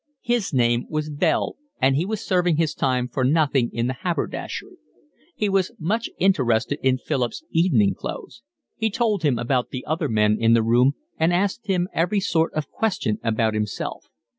His name was Bell and he was serving his time for nothing in the haberdashery. He was much interested in Philip's evening clothes. He told him about the other men in the room and asked him every sort of question about himself.